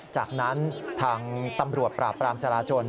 จากนั้นทางตำรวจปราบปรามจราจน